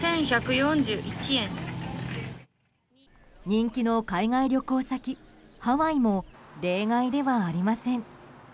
人気の海外旅行先ハワイも例外ではありません。